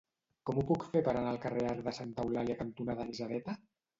Com ho puc fer per anar al carrer Arc de Santa Eulàlia cantonada Anisadeta?